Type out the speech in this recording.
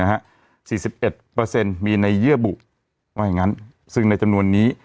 สี่สิบเอ็ดเปอร์เซ็นต์มีในเยื่อบุว่าอย่างงั้นซึ่งในจำนวนนี้